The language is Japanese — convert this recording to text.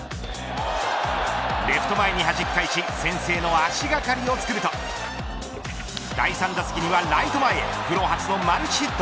レフト前にはじき返し先制の足掛かりをつくると第３打席にはライト前へプロ初のマルチヒット。